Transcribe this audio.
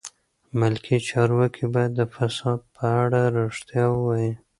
ملکي چارواکي باید د فساد په اړه رښتیا ووایي.